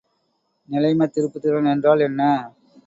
நிலைமத்திருப்புத்திறன் என்றால் என்ன?